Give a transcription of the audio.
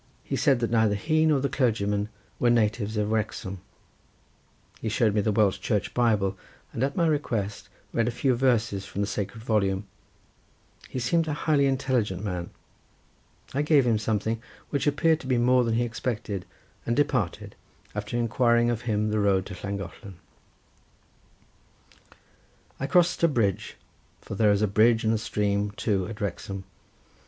He said that neither he nor the clergyman were natives of Wrexham. He showed me the Welsh Church Bible, and at my request read a few verses from the sacred volume. He seemed a highly intelligent man. I gave him something, which appeared to be more than he expected, and departed, after inquiring of him the road to Llangollen. I crossed a bridge, for there is a bridge and a stream too at Wrexham.